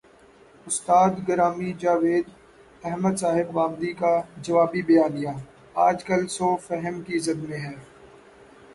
استاد گرامی جاوید احمد صاحب غامدی کا جوابی بیانیہ، آج کل سوء فہم کی زد میں ہے۔